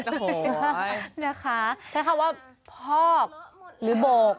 ใช้คำว่าพอกหรือโบก